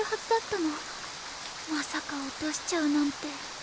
まさか落としちゃうなんて。